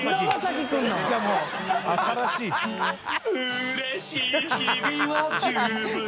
うれしい日々は十分に）